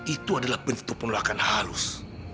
itu adalah bentuk penolakan halus